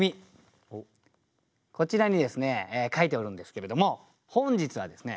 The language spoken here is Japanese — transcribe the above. こちらにですね書いておるんですけれども本日はですね